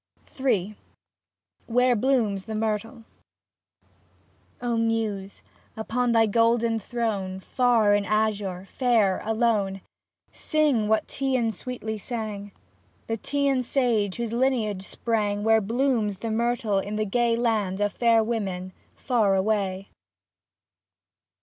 23 m WHERE BLOOMS THE MYRTLE O Muse, upon thy golden throne, Far in the azure, fair, alone. Sing what the Teian sweetly sang, — The Teian sage whose lineage sprang Where blooms the myrtle in the gay Land of fair women far away.